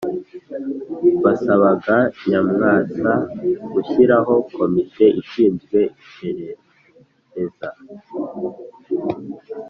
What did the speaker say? basabaga nyamwasa gushyiraho komite ishinzwe iperereza